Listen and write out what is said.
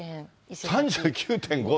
３９．５度。